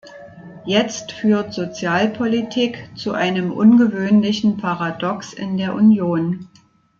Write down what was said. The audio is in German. Jetzt führt Sozialpolitik zu einem ungewöhnlichen Paradox in der Union.